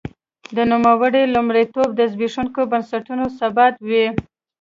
د نوموړي لومړیتوب د زبېښونکو بنسټونو ثبات و.